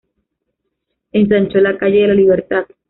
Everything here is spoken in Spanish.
Ensanchó la calle de la Libertad.